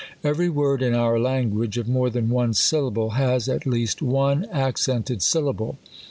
Every word in our language, of more than one syllable, has, at least, one accented syllable.